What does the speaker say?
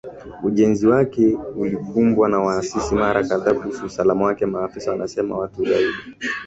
Ujenzi wake ulikumbwa na wasiwasi mara kadha kuhusu usalama wake Maafisa wanasema watu zaidi